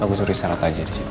aku suruh sarat aja di situ